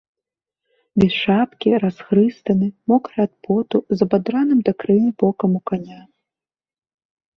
Без шапкі, расхрыстаны, мокры ад поту, з абадраным да крыві бокам у каня.